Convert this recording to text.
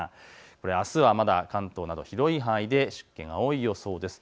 あすはまだ広い範囲で湿気が多い予想です。